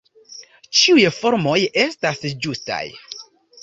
Ĉiuj formoj estas ĝustaj.